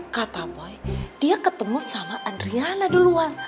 kata boy dia ketemu sama adriana duluan